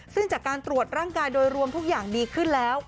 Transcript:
ซึ่งจากการตรวจร่างกายโดยรวมทุกอย่างดีขึ้นแล้ว